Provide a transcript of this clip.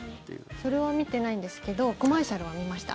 それは見てないんですけどコマーシャルは見ました。